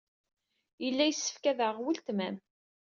Yella yessefk ad aɣeɣ weltma-m.